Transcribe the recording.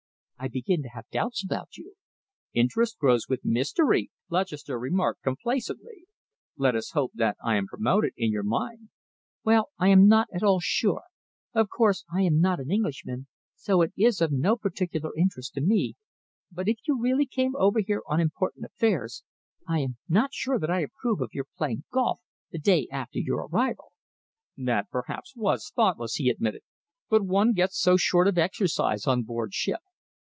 I begin to have doubts about you." "Interest grows with mystery," Lutchester remarked complacently. "Let us hope that I am promoted in your mind." "Well, I am not at all sure. Of course, I am not an Englishman, so it is of no particular interest to me, but if you really came over here on important affairs, I am not sure that I approve of your playing golf the day after your arrival." "That, perhaps, was thoughtless," he admitted, "but one gets so short of exercise on board ship."